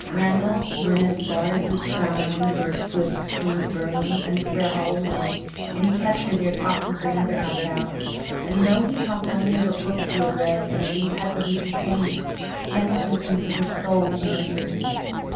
Randall went as far as the stile in the birch wood between the Burnley and the Sparhallow land and he kept her there talking for another half hour and though he talked only of a book he had read and a new puppy he was training, Janet listened with her soul in her ears.